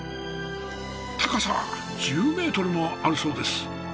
高さ１０メートルもあるそうです。